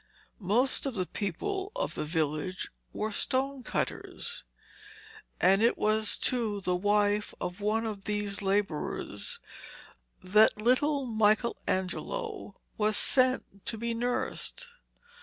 Most of the people of the village were stone cutters, and it was to the wife of one of these labourers that little Michelangelo was sent to be nursed.